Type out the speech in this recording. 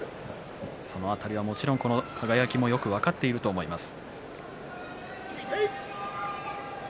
その辺りは、輝もよく分かっていると思います。